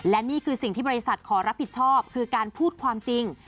และนี่คือสิ่งที่บริษัทขอรับผิดชอบคือการพูดความจริง